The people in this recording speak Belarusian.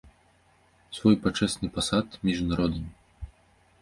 Свой пачэсны пасад між народамі!